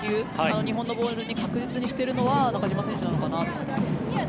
日本のボールを確実にしているのは中島選手なのかなと思います。